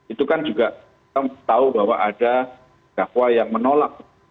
itu kan juga kita tahu bahwa ada dakwa yang menolak